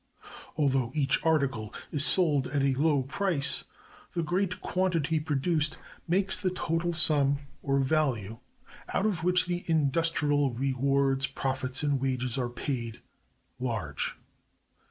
Although each article is sold at a low price, the great quantity produced makes the total sum, or value, out of which the industrial rewards, profits, and wages, are paid, large.